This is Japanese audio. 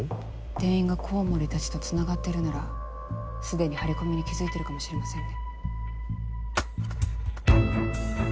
店員がコウモリたちとつながってるならすでに張り込みに気付いてるかもしれませんね。